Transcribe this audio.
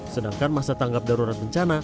sedangkan masa tanggap darurat bencana